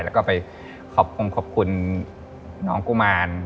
แล้วก็ไปขอบคุณน้องกุมาร